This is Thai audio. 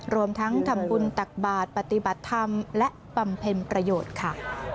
รวมทั้งธรรมบุญตักบาทปฏิบัติธรรมและปรัมเพลินประโยชน์ค่ะ